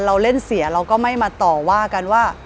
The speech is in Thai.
เราเล่นเสียเราก็ไม่มาต่อว่ากันว่า